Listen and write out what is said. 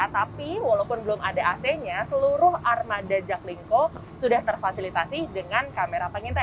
tapi walaupun belum ada ac nya seluruh armada jaklinggo sudah terfasilitasi dengan kamera pengintai